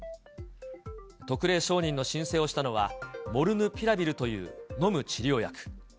特例承認の申請をしたのは、モルヌピラビルという飲む治療薬。